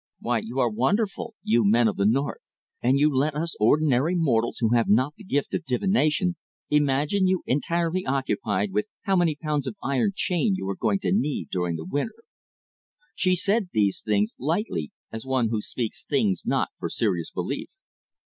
Why, you are wonderful, you men of the north, and you let us ordinary mortals who have not the gift of divination imagine you entirely occupied with how many pounds of iron chain you are going to need during the winter." She said these things lightly as one who speaks things not for serious belief.